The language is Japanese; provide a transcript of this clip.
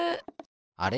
あれ？